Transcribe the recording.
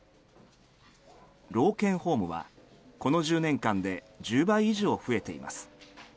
老犬ホームはこの１０年間で１０倍以上増えています。